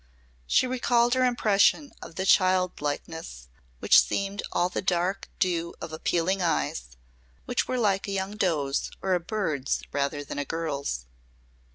She recalled her impression of the childlikeness which seemed all the dark dew of appealing eyes, which were like a young doe's or a bird's rather than a girl's.